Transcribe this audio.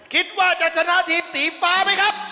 คิดว่าจะชนะทีมสีฟ้าไหมครับ